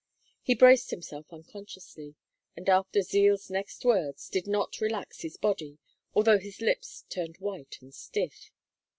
He braced himself unconsciously, and after Zeal's next words did not relax his body, although his lips turned white and stiff.